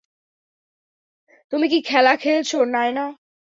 তুমি কি খেলা খেলছো, নায়না?